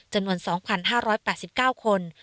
จำนวน๒๕๘๙คน